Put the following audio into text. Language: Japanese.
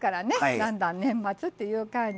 だんだん年末っていう感じ。